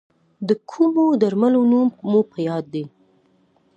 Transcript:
د کومو درملو نوم مو په یاد دی؟